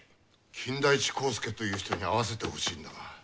金田一耕助という人に会わせてほしいんだが。